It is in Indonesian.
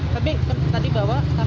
tapi tadi bawa ke tegal